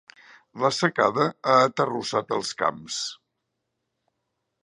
La secada ha aterrossat els camps.